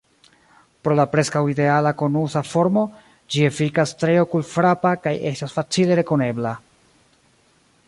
Pro la preskaŭ ideala konusa formo ĝi efikas tre okulfrapa kaj estas facile rekonebla.